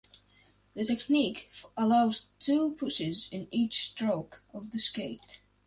The technique allows two pushes in each stroke of the skate.